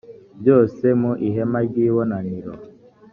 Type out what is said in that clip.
byose mu ihema ry ibonaniro